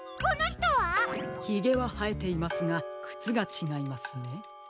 ひげははえていますがくつがちがいますね。